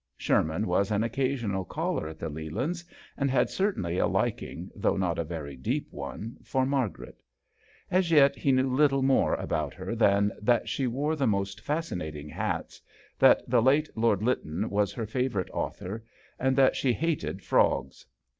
Sherman was an occasional caller at the Lelands, and had certainly a liking, though not a. very deep one, for Margaret. As yet he knew little more about her than that she wore the most fascinating hats, that the late Lord Lytton was her favourite author, and that she hated frogs.